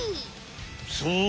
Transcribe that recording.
そう。